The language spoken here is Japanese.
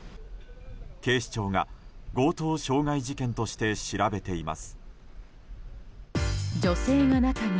警視庁が強盗傷害事件として調べています。